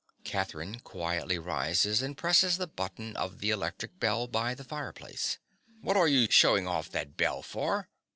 (Catherine quietly rises and presses the button of the electric bell by the fireplace.) What are you shewing off that bell for?